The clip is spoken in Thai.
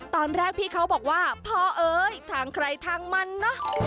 ตอนแรกพี่เขาบอกว่าพ่อเอ้ยทางใครทางมันเนอะ